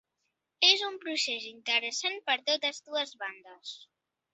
És un procés interessant per totes dues bandes.